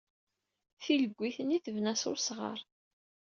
Tileggit-nni tebna s wesɣar.